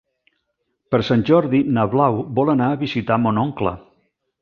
Per Sant Jordi na Blau vol anar a visitar mon oncle.